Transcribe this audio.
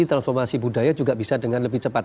transformasi budaya juga bisa dengan lebih cepat